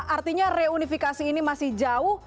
artinya reunifikasi ini masih jauh